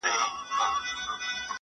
ما په ژوند کي داسي قام نه دی لیدلی!.